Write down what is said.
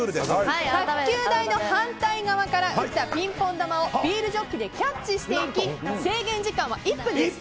卓球台の反対から打ったピンポン球をビールジョッキでキャッチしていき制限時間は１分です。